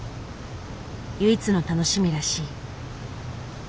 唯一の楽しみらしい。